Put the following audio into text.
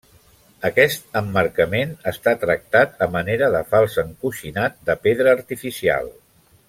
Aquest emmarcament està tractat a manera de fals encoixinat de pedra artificial.